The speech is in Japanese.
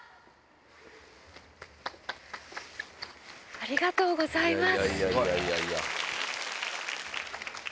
ありがとうございます。